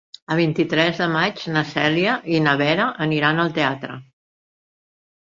El vint-i-tres de maig na Cèlia i na Vera aniran al teatre.